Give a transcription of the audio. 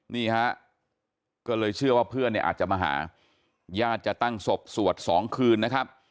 นี่ฮะก็เลยเชื่อว่าเพื่อนเนี่ยอาจจะมาหาญาติจะตั้งศพสวด๒คืนนะครับ